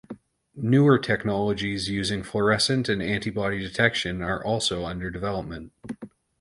Newer technologies using fluorescent and antibody detection are also under development.